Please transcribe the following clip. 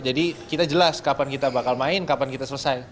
jadi kita jelas kapan kita bakal main kapan kita selesai